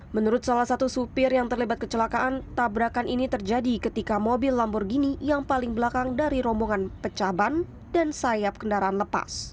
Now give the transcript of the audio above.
menurut salah satu supir yang terlibat kecelakaan tabrakan ini terjadi ketika mobil lamborghini yang paling belakang dari rombongan pecah ban dan sayap kendaraan lepas